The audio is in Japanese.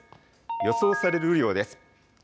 予想される雨量です。